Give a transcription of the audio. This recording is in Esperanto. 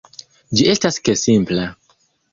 Ĝi estas ke simpla.